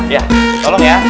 ya tolong ya